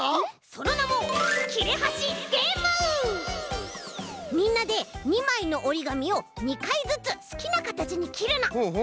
そのなもみんなで２まいのおりがみを２かいずつすきなかたちにきるの！